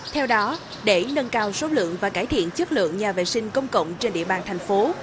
theo đó để nâng cao số lượng và cải thiện chất lượng nhà vệ sinh công cộng trên địa bàn thành phố